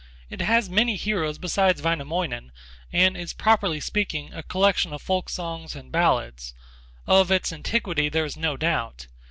It has many heroes beside Wainomoinen and is, properly speaking, a collection of folk songs and ballads. Of its antiquity there is no doubt.